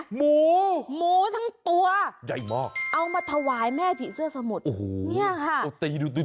หมูหมูทั้งตัวเอามาถวายแม่ผีเสื้อสมุทรนี่ค่ะใหญ่มาก